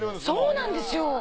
そうなんですよ。